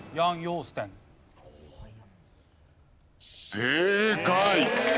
正解！